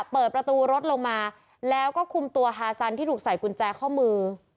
เปิดประตูรถลงมาแล้วก็คุมตัวฮาซันที่ถูกใส่กุญแจข้อมือ